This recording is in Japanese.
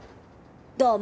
どうも。